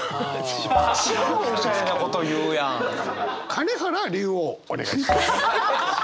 金原竜王お願いします。